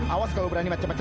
awas kalau berani macam macam